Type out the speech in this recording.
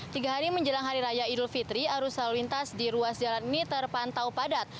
tiga hari menjelang hari raya idul fitri arus lalu lintas di ruas jalan ini terpantau padat